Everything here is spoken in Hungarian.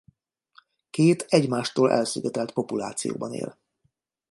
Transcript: Két egymástól elszigetelt populációban él.